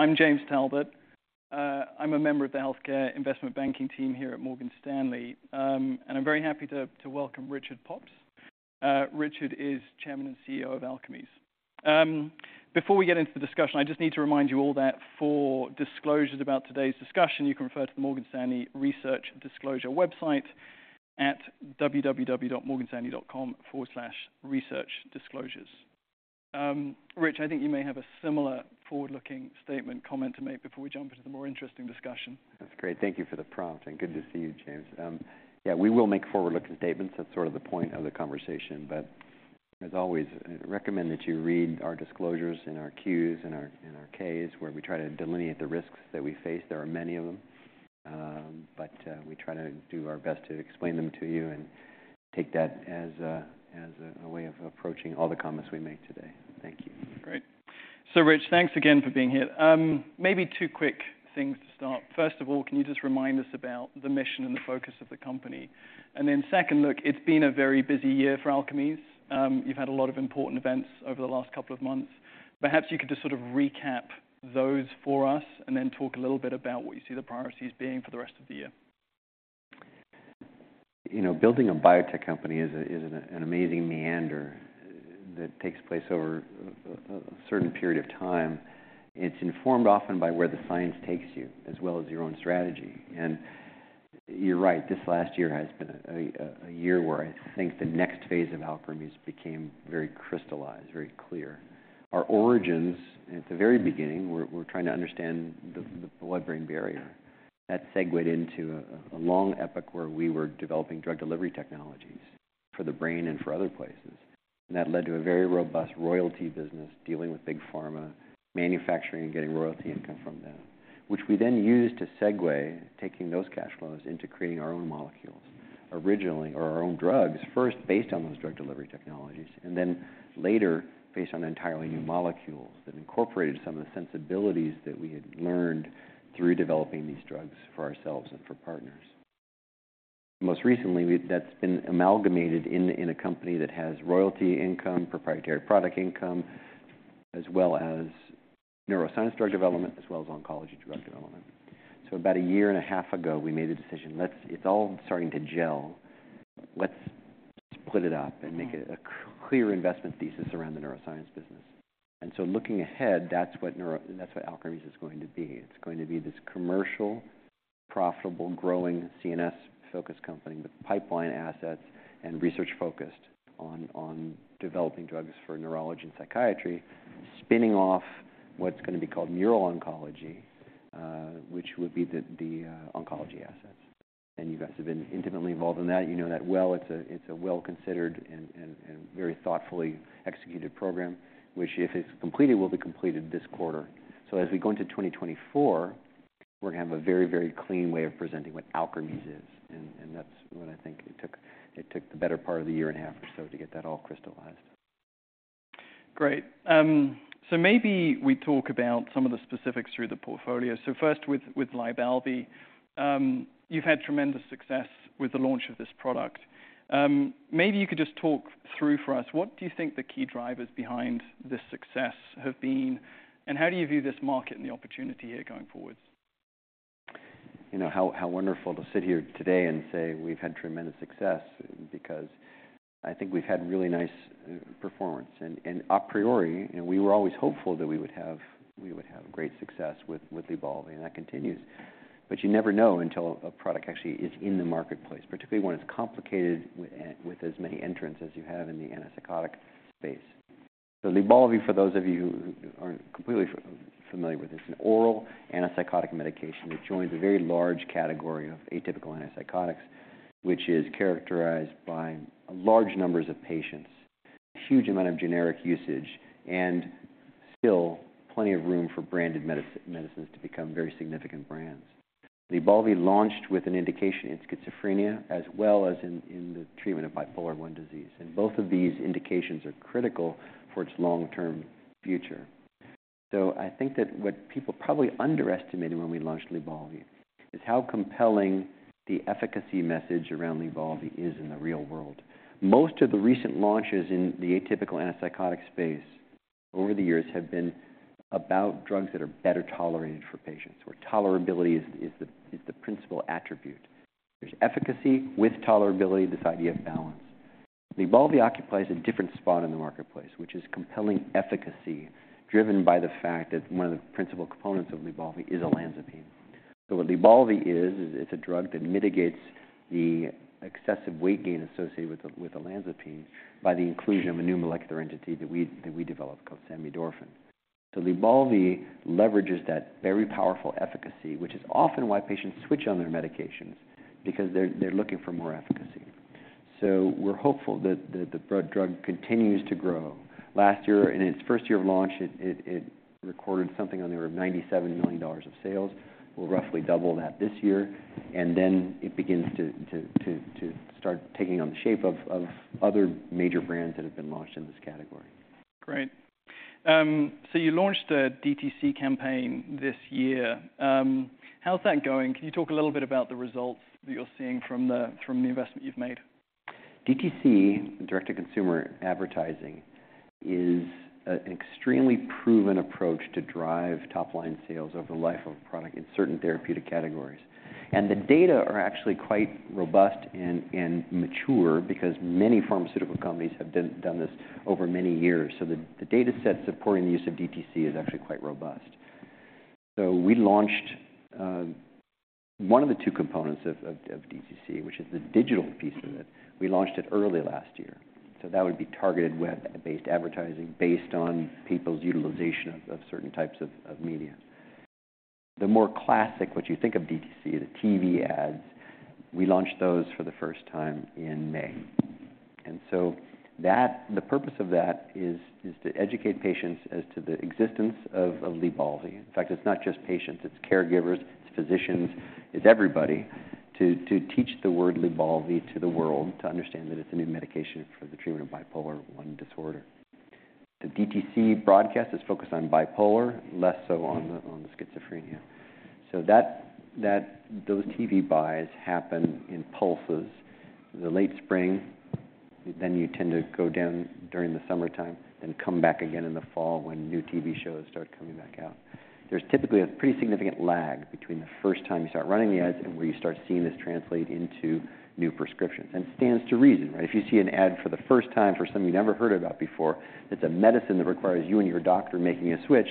I'm James Talbot. I'm a member of the healthcare investment banking team here at Morgan Stanley. I'm very happy to welcome Richard Pops. Richard is Chairman and CEO of Alkermes. Before we get into the discussion, I just need to remind you all that for disclosures about today's discussion, you can refer to the Morgan Stanley research disclosure website at www.morganstanley.com/researchdisclosures. Rich, I think you may have a similar forward-looking statement comment to make before we jump into the more interesting discussion. That's great. Thank you for the prompt, and good to see you, James. Yeah, we will make forward-looking statements. That's sort of the point of the conversation, but as always, I recommend that you read our disclosures and our Qs and our Ks, where we try to delineate the risks that we face. There are many of them, but we try to do our best to explain them to you and take that as a way of approaching all the comments we make today. Thank you. Great. So Rich, thanks again for being here. Maybe two quick things to start. First of all, can you just remind us about the mission and the focus of the company? And then second, look, it's been a very busy year for Alkermes. You've had a lot of important events over the last couple of months. Perhaps you could just sort of recap those for us and then talk a little bit about what you see the priorities being for the rest of the year. You know, building a biotech company is an amazing meander that takes place over a certain period of time. It's informed often by where the science takes you, as well as your own strategy, and you're right, this last year has been a year where I think the next phase of Alkermes became very crystallized, very clear. Our origins at the very beginning, we're trying to understand the blood-brain barrier. That segued into a long epoch where we were developing drug delivery technologies for the brain and for other places, and that led to a very robust royalty business dealing with big pharma, manufacturing and getting royalty income from them, which we then used to segue taking those cash flows into creating our own molecules. Originally... Or our own drugs, first based on those drug delivery technologies, and then later based on entirely new molecules that incorporated some of the sensibilities that we had learned through developing these drugs for ourselves and for partners. Most recently, that's been amalgamated in a company that has royalty income, proprietary product income, as well as neuroscience drug development, as well as oncology drug development. So about a year and a half ago, we made a decision: It's all starting to gel, let's split it up and make a clear investment thesis around the neuroscience business. And so looking ahead, that's what Alkermes is going to be. It's going to be this commercial, profitable, growing CNS-focused company with pipeline assets and research focused on developing drugs for neurology and psychiatry, spinning off what's going to be called Mural Oncology, which would be the oncology assets. And you guys have been intimately involved in that. You know that well. It's a well-considered and very thoughtfully executed program, which, if it's completed, will be completed this quarter. So as we go into 2024, we're gonna have a very, very clean way of presenting what Alkermes is, and that's what I think it took. It took the better part of a year and a half or so to get that all crystallized. Great. So maybe we talk about some of the specifics through the portfolio. So first, with Lybalvi. You've had tremendous success with the launch of this product. Maybe you could just talk through for us, what do you think the key drivers behind this success have been, and how do you view this market and the opportunity here going forward? You know, how wonderful to sit here today and say we've had tremendous success, because I think we've had really nice performance. And a priori, we were always hopeful that we would have great success with Lybalvi, and that continues. But you never know until a product actually is in the marketplace, particularly when it's complicated with as many entrants as you have in the antipsychotic space. So Lybalvi, for those of you who aren't completely familiar with this, an oral antipsychotic medication that joins a very large category of atypical antipsychotics, which is characterized by large numbers of patients, huge amount of generic usage, and still plenty of room for branded medicines to become very significant brands. Lybalvi launched with an indication in schizophrenia as well as in the treatment of bipolar I disorder, and both of these indications are critical for its long-term future. So I think that what people probably underestimated when we launched Lybalvi is how compelling the efficacy message around Lybalvi is in the real world. Most of the recent launches in the atypical antipsychotic space over the years have been about drugs that are better tolerated for patients, where tolerability is the principal attribute. There's efficacy with tolerability, this idea of balance. Lybalvi occupies a different spot in the marketplace, which is compelling efficacy, driven by the fact that one of the principal components of Lybalvi is olanzapine. So what Lybalvi is, is it's a drug that mitigates the excessive weight gain associated with olanzapine by the inclusion of a new molecular entity that we developed, called samidorphan. So Lybalvi leverages that very powerful efficacy, which is often why patients switch on their medications because they're looking for more efficacy. So we're hopeful that the drug continues to grow. Last year, in its first year of launch, it recorded something on the order of $97 million of sales. We'll roughly double that this year, and then it begins to start taking on the shape of other major brands that have been launched in this category. Great. So you launched a DTC campaign this year. How's that going? Can you talk a little bit about the results that you're seeing from the investment you've made?... DTC, direct-to-consumer advertising, is an extremely proven approach to drive top-line sales over the life of a product in certain therapeutic categories. The data are actually quite robust and mature because many pharmaceutical companies have done this over many years. So the data set supporting the use of DTC is actually quite robust. So we launched one of the two components of DTC, which is the digital piece of it. We launched it early last year, so that would be targeted web-based advertising based on people's utilization of certain types of media. The more classic, what you think of DTC, the TV ads, we launched those for the first time in May. And so that, the purpose of that is to educate patients as to the existence of Lybalvi. In fact, it's not just patients, it's caregivers, it's physicians, it's everybody, to teach the word Lybalvi to the world, to understand that it's a new medication for the treatment of Bipolar I disorder. The DTC broadcast is focused on bipolar, less so on the schizophrenia. So that those TV buys happen in pulses in the late spring, then you tend to go down during the summertime and come back again in the fall when new TV shows start coming back out. There's typically a pretty significant lag between the first time you start running the ads and where you start seeing this translate into new prescriptions. And it stands to reason, right? If you see an ad for the first time for something you never heard about before, it's a medicine that requires you and your doctor making a switch,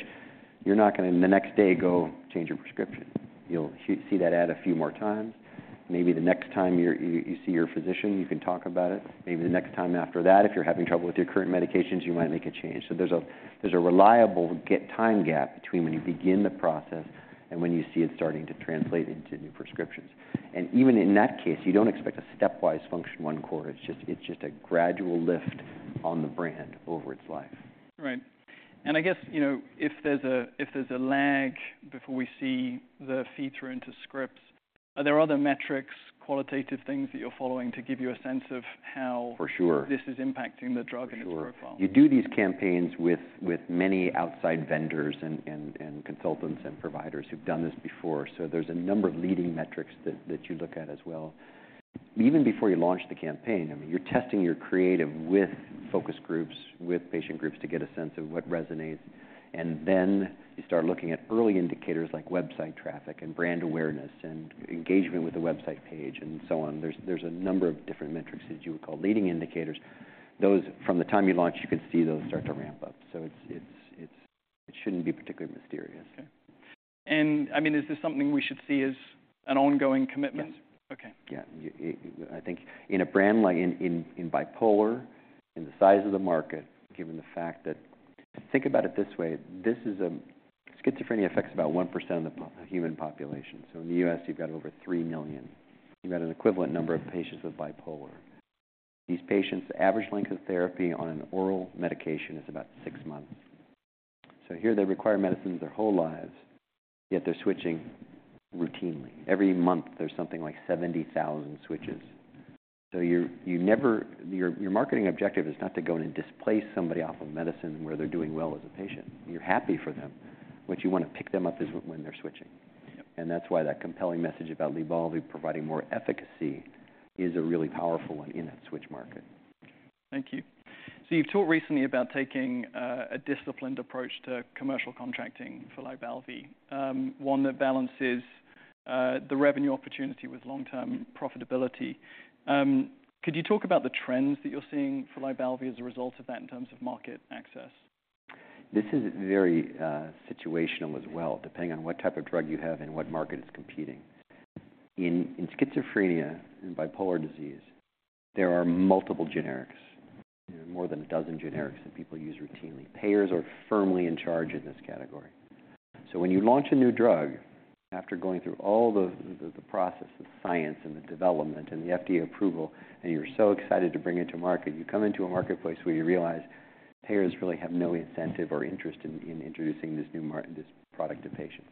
you're not going to, the next day, go change your prescription. You'll see that ad a few more times. Maybe the next time you see your physician, you can talk about it. Maybe the next time after that, if you're having trouble with your current medications, you might make a change. So there's a reliable time gap between when you begin the process and when you see it starting to translate into new prescriptions. And even in that case, you don't expect a stepwise function one quarter. It's just a gradual lift on the brand over its life. Right. And I guess, you know, if there's a, if there's a lag before we see the feed-through into scripts, are there other metrics, qualitative things that you're following to give you a sense of how- For sure. This is impacting the drug and its profile? For sure. You do these campaigns with many outside vendors and consultants and providers who've done this before, so there's a number of leading metrics that you look at as well. Even before you launch the campaign, I mean, you're testing your creative with focus groups, with patient groups to get a sense of what resonates. And then you start looking at early indicators like website traffic and brand awareness and engagement with the website page, and so on. There's a number of different metrics that you would call leading indicators. Those, from the time you launch, you can see those start to ramp up. So it's... It shouldn't be particularly mysterious. Okay. And, I mean, is this something we should see as an ongoing commitment? Yes. Okay. Yeah. I think in a brand like in bipolar, in the size of the market, given the fact that... Think about it this way, this is a-- schizophrenia affects about 1% of the human population. So in the US, you've got over 3 million. You've got an equivalent number of patients with bipolar. These patients, the average length of therapy on an oral medication is about six months. So here, they require medicines their whole lives, yet they're switching routinely. Every month, there's something like 70,000 switches. So you never-- your marketing objective is not to go in and displace somebody off of medicine where they're doing well as a patient. You're happy for them, but you want to pick them up as when they're switching. Yep. That's why that compelling message about Lybalvi providing more efficacy is a really powerful one in that switch market. Thank you. So you've talked recently about taking a disciplined approach to commercial contracting for Lybalvi, one that balances the revenue opportunity with long-term profitability. Could you talk about the trends that you're seeing for Lybalvi as a result of that in terms of market access? This is very situational as well, depending on what type of drug you have and what market it's competing. In schizophrenia and bipolar disease, there are multiple generics. There are more than a dozen generics that people use routinely. Payers are firmly in charge in this category. So when you launch a new drug, after going through all the process of science and the development and the FDA approval, and you're so excited to bring it to market, you come into a marketplace where you realize payers really have no incentive or interest in introducing this new product to patients.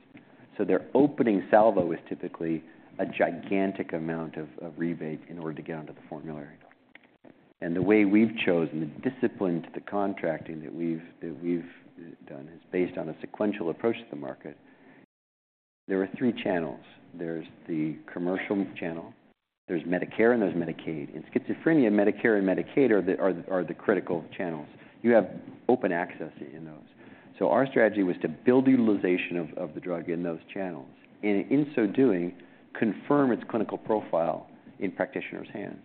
So their opening salvo is typically a gigantic amount of rebate in order to get onto the formulary. The way we've chosen, the discipline to the contracting that we've done, is based on a sequential approach to the market. There are three channels. There's the commercial channel, there's Medicare, and there's Medicaid. In schizophrenia, Medicare and Medicaid are the critical channels. You have open access in those. So our strategy was to build the utilization of the drug in those channels, and in so doing, confirm its clinical profile in practitioners' hands.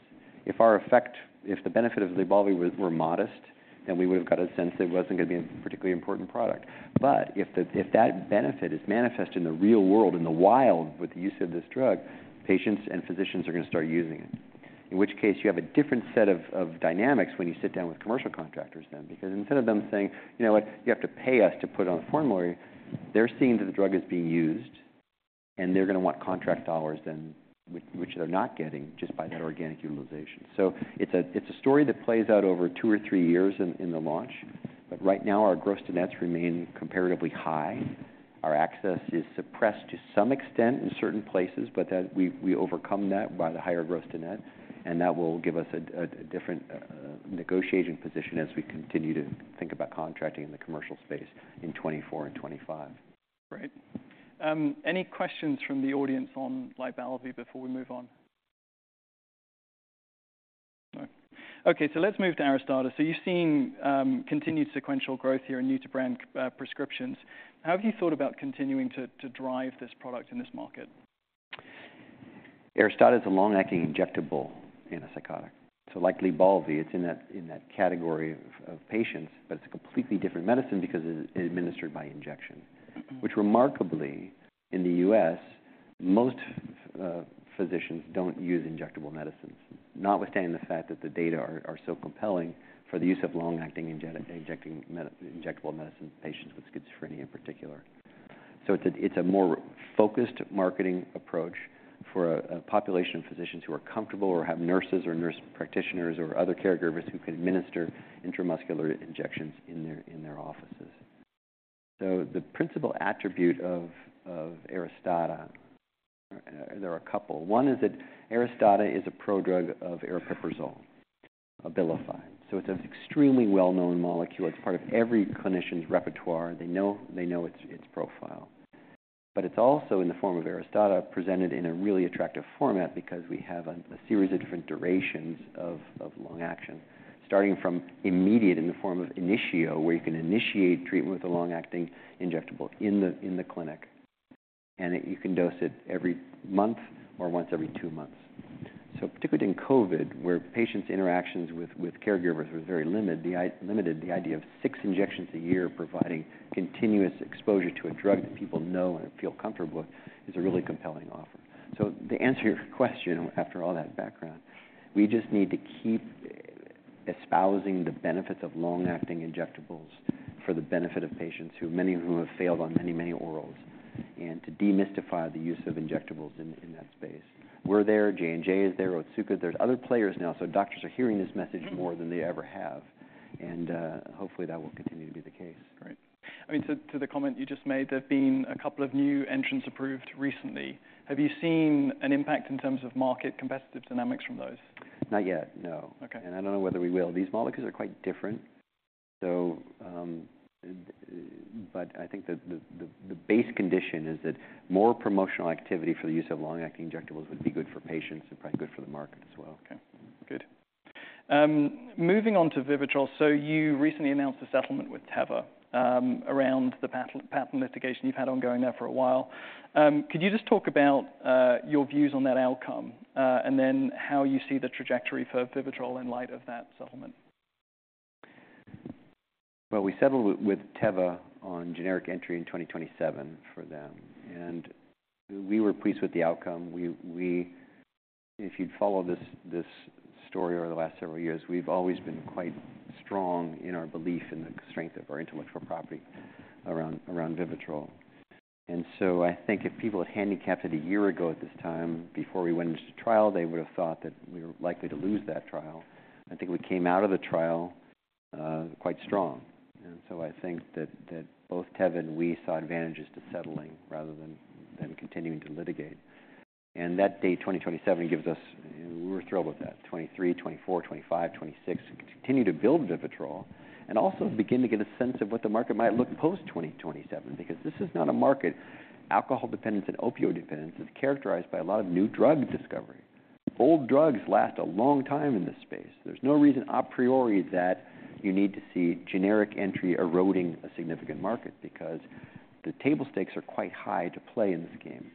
If our effect, if the benefit of Lybalvi was, were modest, then we would have got a sense it wasn't going to be a particularly important product. But if that benefit is manifested in the real world, in the wild, with the use of this drug, patients and physicians are going to start using it. In which case, you have a different set of dynamics when you sit down with commercial contractors then, because instead of them saying: "You know what? You have to pay us to put it on the formulary," they're seeing that the drug is being used, and they're going to want contract dollars then, which they're not getting just by that organic utilization. So it's a story that plays out over two or three years in the launch, but right now, our gross to nets remain comparatively high. Our access is suppressed to some extent in certain places, but that, we overcome that by the higher gross to net, and that will give us a different negotiation position as we continue to think about contracting in the commercial space in 2024 and 2025.... Great. Any questions from the audience on Lybalvi before we move on? No. Okay, let's move to Aristada. You've seen continued sequential growth here in new-to-brand prescriptions. How have you thought about continuing to drive this product in this market? Aristada is a long-acting injectable antipsychotic. So like Lybalvi, it's in that category of patients, but it's a completely different medicine because it is administered by injection. Which remarkably, in the U.S., most physicians don't use injectable medicines, notwithstanding the fact that the data are so compelling for the use of long-acting injectable medicines, patients with schizophrenia in particular. So it's a more focused marketing approach for a population of physicians who are comfortable or have nurses or nurse practitioners or other caregivers who can administer intramuscular injections in their offices. So the principal attribute of Aristada. There are a couple. One is that Aristada is a prodrug of aripiprazole, Abilify, so it's an extremely well-known molecule. It's part of every clinician's repertoire, and they know its profile. But it's also, in the form of Aristada, presented in a really attractive format because we have a series of different durations of long action, starting from immediate in the form of Initio, where you can initiate treatment with a long-acting injectable in the clinic, and it. You can dose it every month or once every two months. So particularly in COVID, where patients' interactions with caregivers were very limited, the idea of six injections a year providing continuous exposure to a drug that people know and feel comfortable with is a really compelling offer. So to answer your question, after all that background, we just need to keep espousing the benefits of long-acting injectables for the benefit of patients, who many of whom have failed on many, many orals, and to demystify the use of injectables in that space. We're there, J&J is there, Otsuka. There's other players now, so doctors are hearing this message more than they ever have, and hopefully that will continue to be the case. Great. I mean, to the comment you just made, there have been a couple of new entrants approved recently. Have you seen an impact in terms of market competitive dynamics from those? Not yet, no. Okay. I don't know whether we will. These molecules are quite different, so. But I think the base condition is that more promotional activity for the use of long-acting injectables would be good for patients and probably good for the market as well. Okay, good. Moving on to Vivitrol. So you recently announced a settlement with Teva, around the patent, patent litigation you've had ongoing there for a while. Could you just talk about your views on that outcome, and then how you see the trajectory for Vivitrol in light of that settlement? Well, we settled with Teva on generic entry in 2027 for them, and we were pleased with the outcome. If you'd followed this story over the last several years, we've always been quite strong in our belief in the strength of our intellectual property around Vivitrol. And so I think if people had handicapped it a year ago at this time, before we went into trial, they would have thought that we were likely to lose that trial. I think we came out of the trial quite strong, and so I think that both Teva and we saw advantages to settling rather than continuing to litigate. And that date, 2027, gives us... We're thrilled with that. 2023, 2024, 2025, 2026, to continue to build Vivitrol and also begin to get a sense of what the market might look post 2027, because this is not a market. Alcohol dependence and opioid dependence is characterized by a lot of new drug discovery. Old drugs last a long time in this space. There's no reason a priori that you need to see generic entry eroding a significant market, because the table stakes are quite high to play in this game.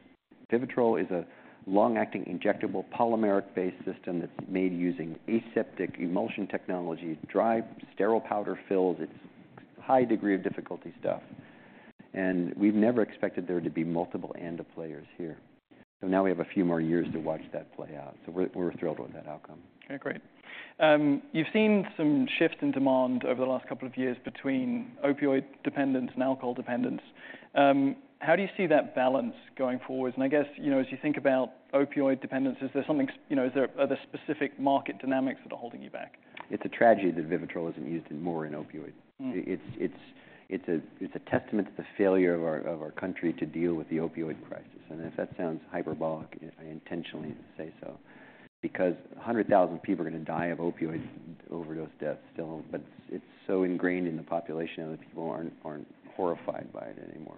Vivitrol is a long-acting, injectable, polymeric-based system that's made using aseptic emulsion technology, dry, sterile powder fills. It's high degree of difficulty stuff, and we've never expected there to be multiple ANDA players here. So now we have a few more years to watch that play out, so we're, we're thrilled with that outcome. Okay, great. You've seen some shifts in demand over the last couple of years between opioid dependence and alcohol dependence. How do you see that balance going forward? And I guess, you know, as you think about opioid dependence, is there something... You know, is there, are there specific market dynamics that are holding you back? It's a tragedy that Vivitrol isn't used more in opioids. Mm. It's a testament to the failure of our country to deal with the opioid crisis, and if that sounds hyperbolic, I intentionally say so. Because 100,000 people are going to die of opioids overdose deaths still, but it's so ingrained in the population that people aren't horrified by it anymore.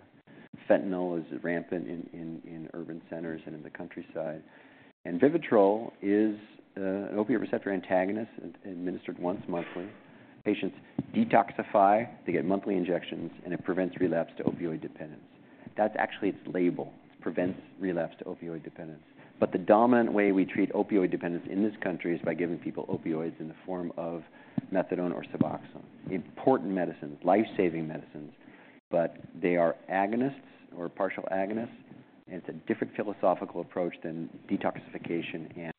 Fentanyl is rampant in urban centers and in the countryside, and Vivitrol is an opioid receptor antagonist administered once monthly. Patients detoxify, they get monthly injections, and it prevents relapse to opioid dependence. That's actually its label: "Prevents relapse to opioid dependence." But the dominant way we treat opioid dependence in this country is by giving people opioids in the form of methadone or Suboxone. Important medicines, life-saving medicines, but they are agonists or partial agonists, and it's a different philosophical approach than detoxification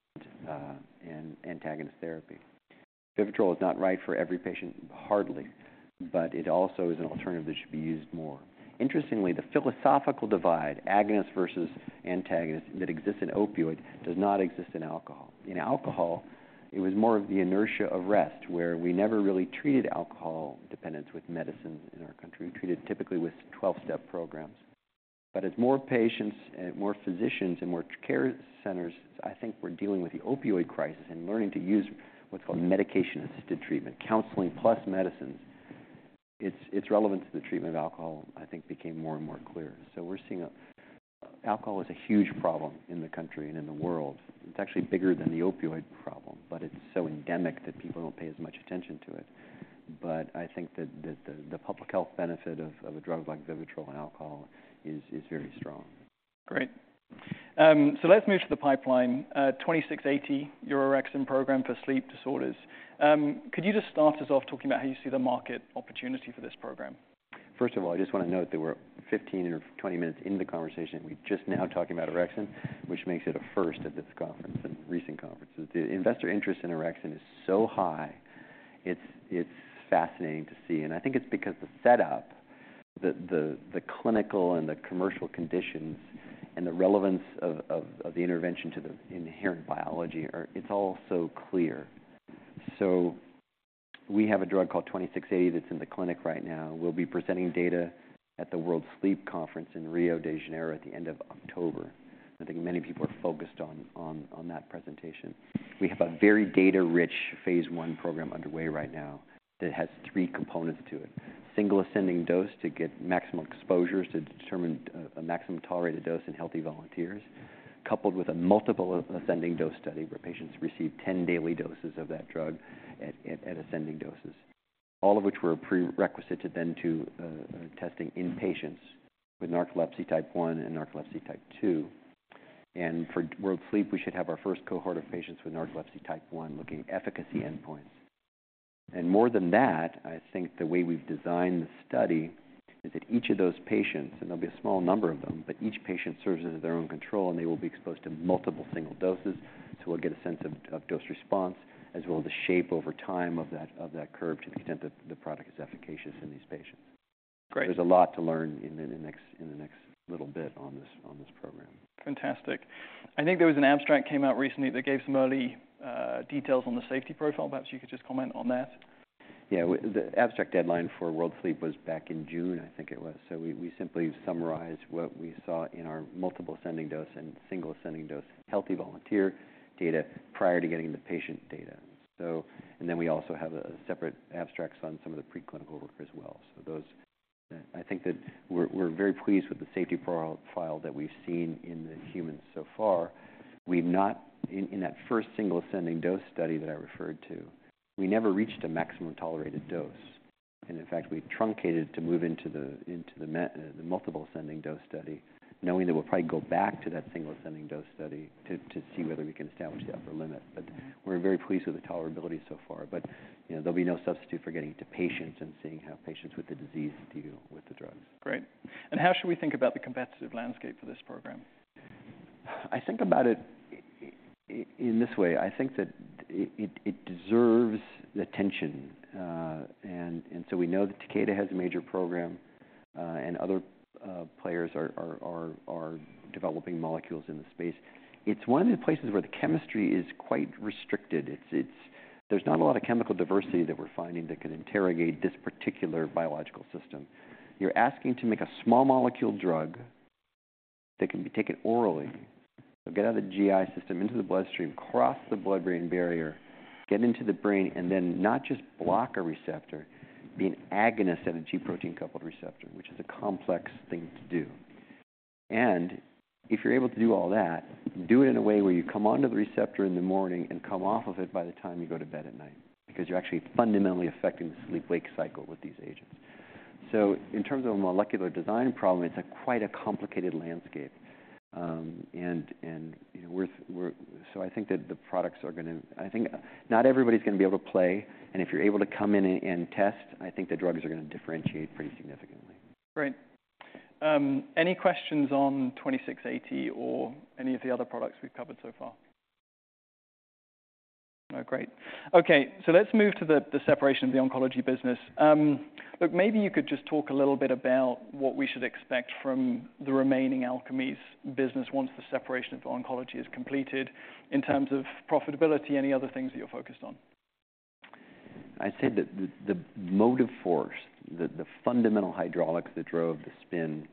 and antagonist therapy. Vivitrol is not right for every patient, hardly, but it also is an alternative that should be used more. Interestingly, the philosophical divide, agonist versus antagonist, that exists in opioid does not exist in alcohol. In alcohol, it was more of the inertia of rest, where we never really treated alcohol dependence with medicines in our country. We treated it typically with 12-step programs. But as more patients and more physicians and more care centers, I think we're dealing with the opioid crisis and learning to use what's called medication-assisted treatment, counseling plus medicines. It's, it's relevant to the treatment of alcohol, I think became more and more clear. So we're seeing alcohol is a huge problem in the country and in the world. It's actually bigger than the opioid problem, but it's so endemic that people don't pay as much attention to it. But I think that the public health benefit of a drug like Vivitrol and alcohol is very strong. Great. So let's move to the pipeline. 2680, your Orexin program for sleep disorders. Could you just start us off talking about how you see the market opportunity for this program? First of all, I just want to note that we're 15 or 20 minutes into the conversation, and we're just now talking about orexin, which makes it a first at this conference and recent conferences. The investor interest in orexin is so high, it's fascinating to see. I think it's because the setup, the clinical and the commercial conditions and the relevance of the intervention to the inherent biology are... It's all so clear. We have a drug called 2680 that's in the clinic right now. We'll be presenting data at the World Sleep Congress in Rio de Janeiro at the end of October. I think many people are focused on that presentation. We have a very data-rich phase I program underway right now that has three components to it. Single ascending dose to get maximal exposures to determine a maximum tolerated dose in healthy volunteers, coupled with a multiple ascending dose study, where patients receive 10 daily doses of that drug at ascending doses. All of which were a prerequisite to then testing in patients with Narcolepsy Type 1 and Narcolepsy Type 2. And for World Sleep, we should have our first cohort of patients with Narcolepsy Type 1 looking at efficacy endpoints. And more than that, I think the way we've designed the study is that each of those patients, and there'll be a small number of them, but each patient serves as their own control, and they will be exposed to multiple single doses. We'll get a sense of dose response, as well as the shape over time of that curve to the extent that the product is efficacious in these patients. Great. There's a lot to learn in the next little bit on this program. Fantastic. I think there was an abstract came out recently that gave some early, details on the safety profile. Perhaps you could just comment on that. Yeah. The abstract deadline for World Sleep was back in June, I think it was. So we simply summarized what we saw in our multiple ascending dose and single ascending dose healthy volunteer data prior to getting the patient data. So, and then we also have separate abstracts on some of the preclinical work as well. So those... I think that we're very pleased with the safety profile that we've seen in the humans so far. We've not... In that first single ascending dose study that I referred to, we never reached a maximum tolerated dose. And in fact, we truncated to move into the multiple ascending dose study, knowing that we'll probably go back to that single ascending dose study to see whether we can establish the upper limit. But we're very pleased with the tolerability so far. But, you know, there'll be no substitute for getting to patients and seeing how patients with the disease deal with the drugs. Great. How should we think about the competitive landscape for this program? I think about it in this way. I think that it deserves the attention. And so we know that Takeda has a major program, and other players are developing molecules in the space. It's one of the places where the chemistry is quite restricted. There's not a lot of chemical diversity that we're finding that can interrogate this particular biological system. You're asking to make a small molecule drug that can be taken orally, so get out of the GI system into the bloodstream, cross the blood-brain barrier, get into the brain, and then not just block a receptor, be an agonist at a G-protein-coupled receptor, which is a complex thing to do. And if you're able to do all that, do it in a way where you come onto the receptor in the morning and come off of it by the time you go to bed at night, because you're actually fundamentally affecting the sleep-wake cycle with these agents. So in terms of a molecular design problem, it's quite a complicated landscape. You know, I think not everybody's gonna be able to play, and if you're able to come in and test, I think the drugs are gonna differentiate pretty significantly. Great. Any questions on 2680 or any of the other products we've covered so far? Oh, great. Okay, so let's move to the separation of the oncology business. Look, maybe you could just talk a little bit about what we should expect from the remaining Alkermes business once the separation of oncology is completed. In terms of profitability, any other things that you're focused on? I'd say that the motive force, the fundamental hydraulics that drove the spin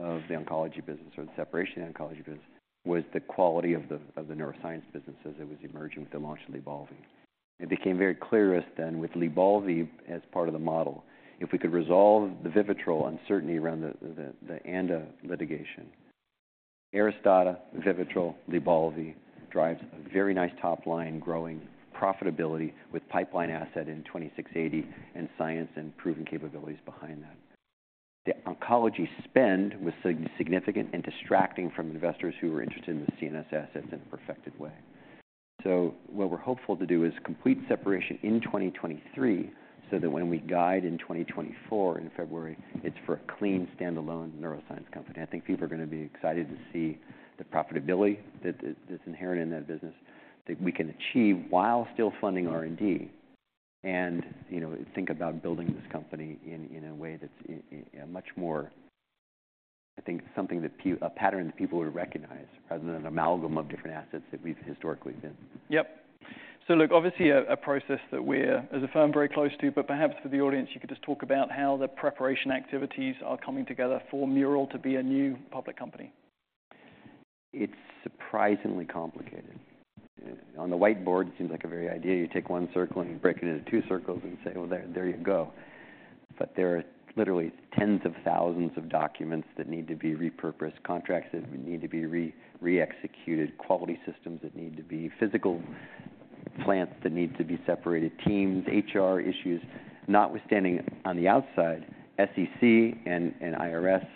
of the oncology business or the separation of the oncology business, was the quality of the neuroscience business as it was emerging with the launch of Lybalvi. It became very clear to us then, with Lybalvi as part of the model, if we could resolve the Vivitrol uncertainty around the ANDA litigation. Aristada, Vivitrol, Lybalvi drives a very nice top line, growing profitability with pipeline asset in ALKS 2680 and science and proven capabilities behind that. The oncology spend was significant and distracting from investors who were interested in the CNS assets in a perfected way. So what we're hopeful to do is complete separation in 2023, so that when we guide in 2024, in February, it's for a clean, standalone neuroscience company. I think people are gonna be excited to see the profitability that's inherent in that business, that we can achieve while still funding R&D. And, you know, think about building this company in a way that's a much more... I think, something that a pattern that people would recognize, rather than an amalgam of different assets that we've historically been. Yep. So look, obviously a process that we're, as a firm, very close to, but perhaps for the audience, you could just talk about how the preparation activities are coming together for Mural to be a new public company. It's surprisingly complicated. On the whiteboard, it seems like a very idea. You take one circle, and you break it into two circles and say, "Well, there, there you go." But there are literally tens of thousands of documents that need to be repurposed, contracts that need to be re-executed, quality systems that need to be... Physical plants that need to be separated, teams, HR issues. Notwithstanding on the outside, SEC and IRS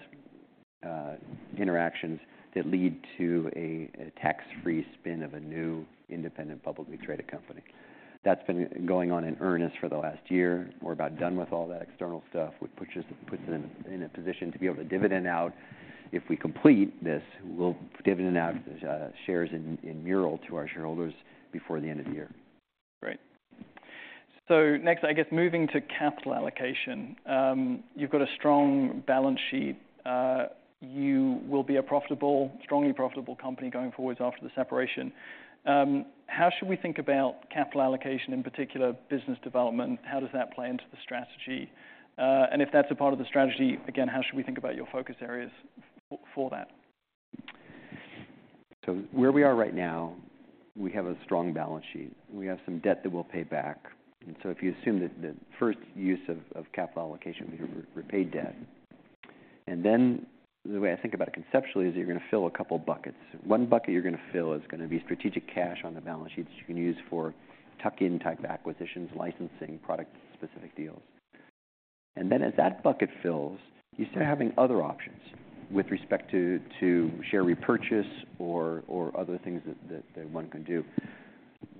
interactions that lead to a tax-free spin of a new independent, publicly traded company. That's been going on in earnest for the last year. We're about done with all that external stuff, which puts us in a position to be able to dividend out. If we complete this, we'll dividend out shares in Mural to our shareholders before the end of the year. Great. So next, I guess moving to capital allocation. You've got a strong balance sheet. You will be a profitable, strongly profitable company going forwards after the separation. How should we think about capital allocation, in particular, business development? How does that play into the strategy? And if that's a part of the strategy, again, how should we think about your focus areas for that? So where we are right now, we have a strong balance sheet. We have some debt that we'll pay back, and so if you assume that the first use of capital allocation, we repay debt. And then the way I think about it conceptually is you're gonna fill a couple buckets. One bucket you're gonna fill is gonna be strategic cash on the balance sheet that you can use for tuck-in type acquisitions, licensing, product-specific deals. And then as that bucket fills, you start having other options with respect to share repurchase or other things that one can do.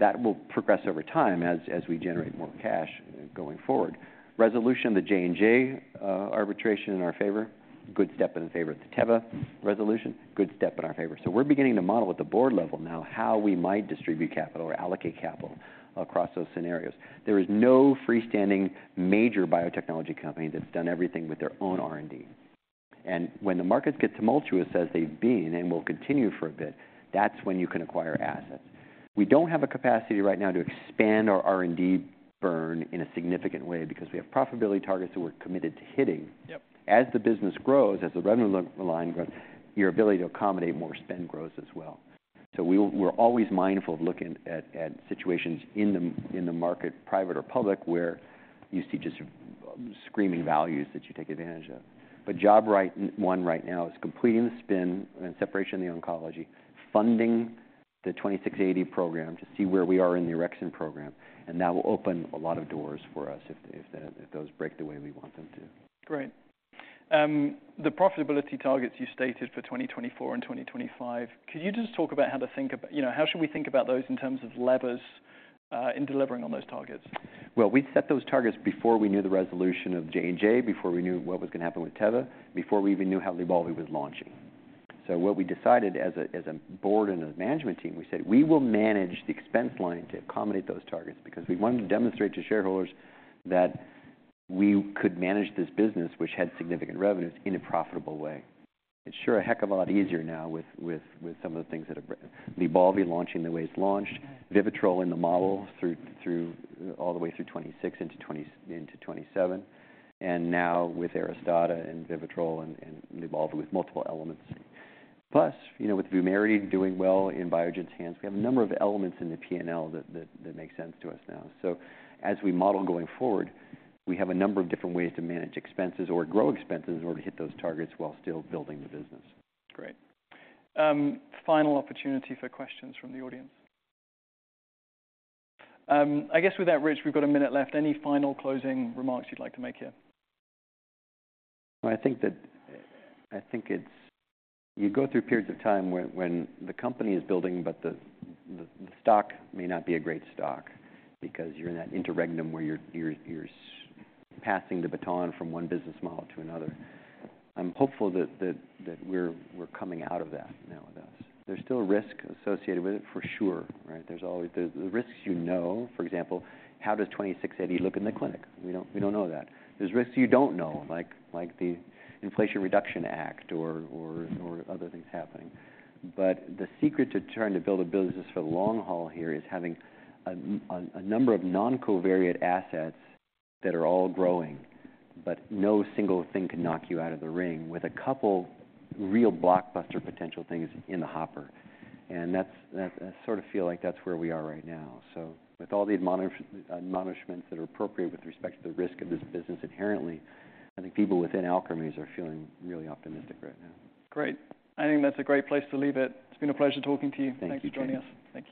That will progress over time as we generate more cash going forward. Resolution, the J&J arbitration in our favor, good step in our favor. The Teva resolution, good step in our favor. So we're beginning to model at the board level now how we might distribute capital or allocate capital across those scenarios. There is no freestanding major biotechnology company that's done everything with their own R&D. And when the markets get tumultuous, as they've been and will continue for a bit, that's when you can acquire assets. We don't have a capacity right now to expand our R&D burn in a significant way because we have profitability targets that we're committed to hitting. Yep. As the business grows, as the revenue line grows, your ability to accommodate more spend grows as well. So we're always mindful of looking at situations in the market, private or public, where you see just screaming values that you take advantage of. But job one right now is completing the spin and separation of the oncology, funding the 2680 program to see where we are in the Orexin program, and that will open a lot of doors for us if that, if those break the way we want them to. Great. The profitability targets you stated for 2024 and 2025, could you just talk about how to think about... You know, how should we think about those in terms of levers, in delivering on those targets? Well, we set those targets before we knew the resolution of J&J, before we knew what was going to happen with Teva, before we even knew how Lybalvi was launching. So what we decided as a board and a management team, we said we will manage the expense line to accommodate those targets, because we wanted to demonstrate to shareholders that we could manage this business, which had significant revenues, in a profitable way. It's sure a heck of a lot easier now with some of the things that are Lybalvi launching the way it's launched, Vivitrol in the model through all the way through 2026 into 2027, and now with Aristada and Vivitrol and Lybalvi with multiple elements. Plus, you know, with Vumerity doing well in Biogen's hands, we have a number of elements in the P&L that make sense to us now. So as we model going forward, we have a number of different ways to manage expenses or grow expenses in order to hit those targets while still building the business. Great. Final opportunity for questions from the audience. I guess with that, Rich, we've got a minute left. Any final closing remarks you'd like to make here? I think it's... You go through periods of time when the company is building, but the stock may not be a great stock because you're in that interregnum where you're passing the baton from one business model to another. I'm hopeful that we're coming out of that now with us. There's still risk associated with it, for sure, right? There's always the risks you know. For example, how does 2680 look in the clinic? We don't know that. There's risks you don't know, like the Inflation Reduction Act or other things happening. But the secret to trying to build a business for the long haul here is having a number of non-correlated assets that are all growing, but no single thing can knock you out of the ring with a couple real blockbuster potential things in the hopper. And that's, that, I sort of feel like that's where we are right now. So with all the admonishments that are appropriate with respect to the risk of this business inherently, I think people within Alkermes are feeling really optimistic right now. Great. I think that's a great place to leave it. It's been a pleasure talking to you. Thank you, James. Thanks for joining us. Thank you.